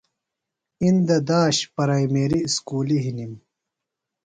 اِندہ داش پرائمیریۡ اُسکُلیۡ ہِنِم ۔